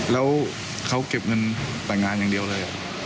แล้วเขาเก็บเงินแต่งงานอย่างเดียวเลย